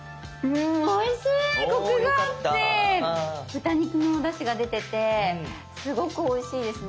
豚肉のおだしが出ててすごくおいしいですね。